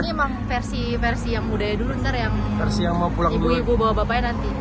ini emang versi versi yang budaya dulu ntar yang ibu ibu bapaknya nanti